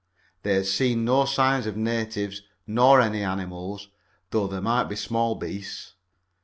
They had seen no signs of natives, nor any of animals, though there might be small beasts.